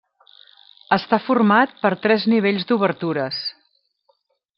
Està format per tres nivells d'obertures.